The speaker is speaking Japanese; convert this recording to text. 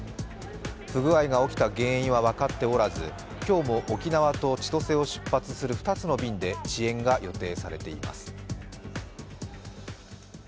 不具合が起きた原因は分かっておらず、今日も沖縄と千歳を出発する２つの便で遅延が予定されています。